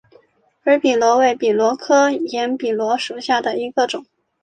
耳笔螺为笔螺科焰笔螺属下的一个种。